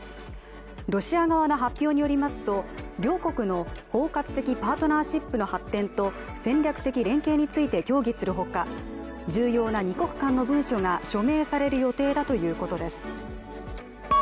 ロシア側の発表によりますと、両国の包括的パートナーシップの発展と戦略的連携について協議するほか、重要な２国間の文書が署名される予定だということです。